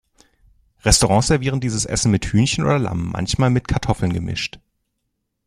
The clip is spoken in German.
Restaurants servieren dieses Essen mit Hühnchen oder Lamm, manchmal mit Kartoffeln gemischt.